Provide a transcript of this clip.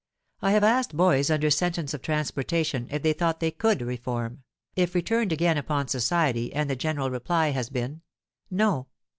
I have asked boys under sentence of transportation if they thought they could reform, if returned again upon society, and the general reply has been, 'No.'